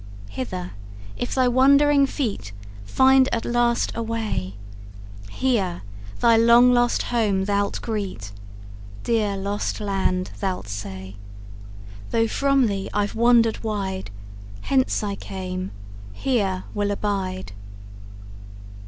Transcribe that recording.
Hither if thy wandering feet Find at last a way, Here thy long lost home thou'lt greet: 'Dear lost land,' thou'lt say, 'Though from thee I've wandered wide, Hence I came, here will abide.'